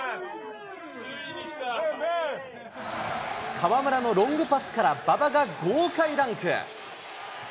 河村のロングパスから馬場が豪快ダンク。